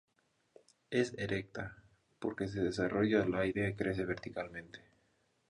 Es erecta, porque se desarrolla al aire y crece verticalmente.